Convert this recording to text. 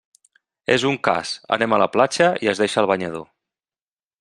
És un cas, anem a la platja i es deixa el banyador.